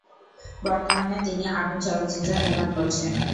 বর্তমানে তিনি "আগুন" চলচ্চিত্র নির্মাণ করছেন।